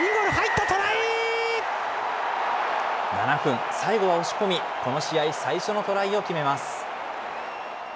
７分、最後は押し込み、この試合最初のトライを決めます。